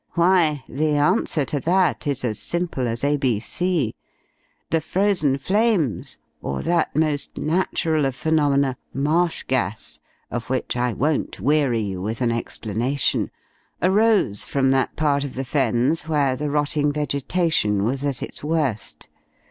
Why, the answer to that is as simple as A.B.C. The Frozen Flames, or that most natural of phenomena, marsh gas of which I won't weary you with an explanation arose from that part of the Fens where the rotting vegetation was at its worst.